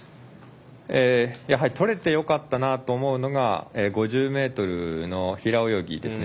取れてよかったなと思うのが５０ｍの平泳ぎですね。